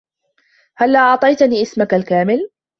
هلّا أعطيتني اسمك الكامل؟